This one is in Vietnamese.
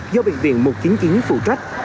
do bệnh viện một trăm chín mươi chín phụ trách